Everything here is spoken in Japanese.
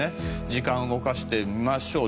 時間を動かしてみましょう。